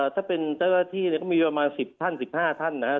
ถ้าเป็นเจ้าหน้าที่ก็มีประมาณ๑๐ท่าน๑๕ท่านนะครับ